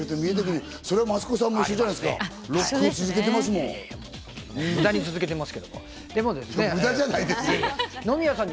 それは増子さんも一緒じゃないですか、ロックを続けてますもん。